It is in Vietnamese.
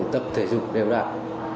tập thể dục đều đạt